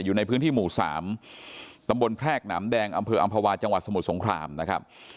อยู่ในพื้นที่หมู่๓ตำบลแพรกหนามแดงอำเภออำภาวาจังหวัดสมุทรสงครามนะครับ